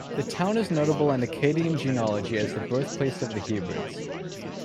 The town is notable in Acadian genealogy as the birthplace of the Heberts.